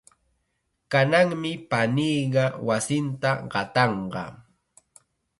Kananmi paniiqa wasinta qatanqa.